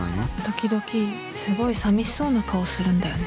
時々、すごい寂しそうな顔をするんだよね。